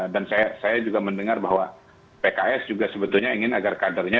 dan saya juga mendengar bahwa pks juga sebetulnya ingin agar kadernya